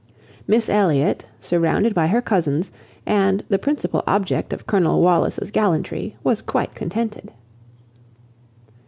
Miss Elliot, surrounded by her cousins, and the principal object of Colonel Wallis's gallantry, was quite contented.